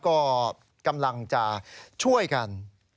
ก็กำลังจะช่วยกัน